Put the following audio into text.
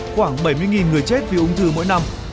khoảng bảy mươi người chết vì ung thư mỗi năm